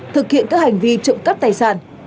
thực hiện các hành vi trụng cấp tài sản